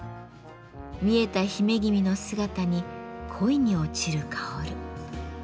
見えた姫君の姿に恋に落ちる薫。